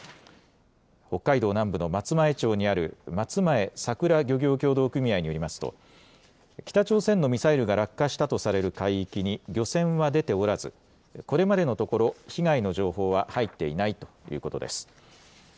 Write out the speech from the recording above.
北海道南部の松前町にある松前さくら漁業協同組合によりますと、北朝鮮のミサイルが落下したとされる海域に漁船は出ておらず、これまでのところ、被害の情報は入っていないということです。